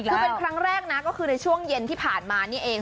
คือเป็นครั้งแรกนะก็คือในช่วงเย็นที่ผ่านมานี่เอง